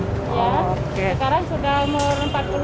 ya sekarang sudah umur empat puluh tujuh